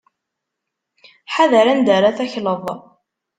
Ḥader anda ara takleḍ.